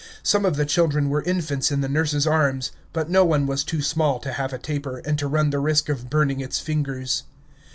Some of the children were infants in the nurses' arms, but no one was too small to have a taper, and to run the risk of burning its fingers.